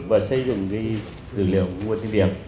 và xây dựng dữ liệu nguồn tin điểm